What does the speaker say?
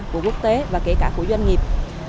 của quốc tế và kể cả của doanh nghiệp